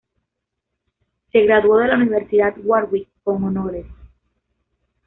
Se graduó de la Universidad Warwick con honores.